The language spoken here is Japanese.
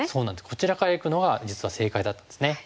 こちらからいくのが実は正解だったんですね。